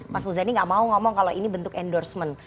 mas muzani nggak mau ngomong kalau ini bentuk endorsement